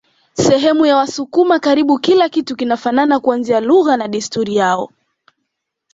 Sehemu ya wasukuma karibu kila kitu kinafanana kuanzia lugha na desturi yao